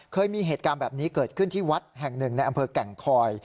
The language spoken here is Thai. เคยมีเหตุการณ์แบบนี้เกิดขึ้นที่วัดแห่งหนึ่งในอำเภอแก่งคอย